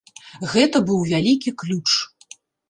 Гэта быў вялікі ключ.